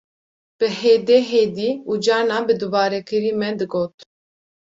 Bi hêdê hêdî û carna bi dubarekirî me digot